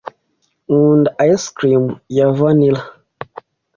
Nkunda ice cream ya vanilla.